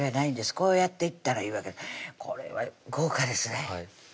こうやっていったらいいわけこれは豪華ですね